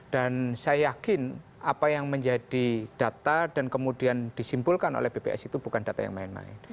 dan saya yakin apa yang menjadi data dan kemudian disimpulkan oleh bps itu bukan data yang main main